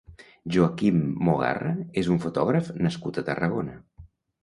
Joachim Mogarra és un fotògraf nascut a Tarragona.